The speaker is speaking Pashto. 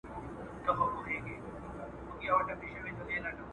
او د ژوند اصلي مانا ور زده کوي.